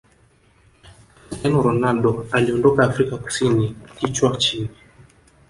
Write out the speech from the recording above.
cristiano ronaldo aliondoka afrika kusini kichwa chini